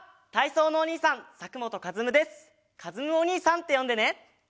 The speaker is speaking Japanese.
かずむおにいさんってよんでね。